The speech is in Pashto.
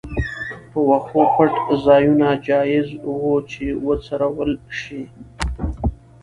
په وښو پټ ځایونه جایز وو چې وڅرول شي.